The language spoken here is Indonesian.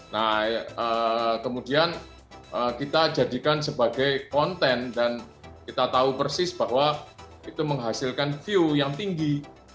nah kemudian kita jadikan sebagai konten dan kita tahu persis bahwa itu menghasilkan view yang tinggi